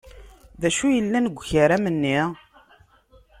D acu yellan deg ukaram-nni?